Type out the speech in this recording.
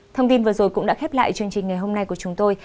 thông tin vừa rồi cũng đã khép lại chương trình ngày hôm nay của chúng tôi